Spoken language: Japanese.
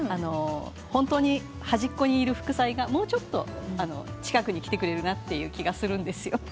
本当に端っこにいる副菜がもうちょっと近くに来てくれるなという気がするんですよ。